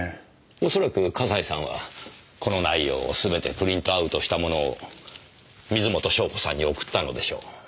おそらく笠井さんはこの内容をすべてプリントアウトしたものを水元湘子さんに送ったのでしょう。